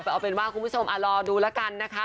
แต่เอาเป็นว่าคุณผู้ชมรอดูแล้วกันนะคะ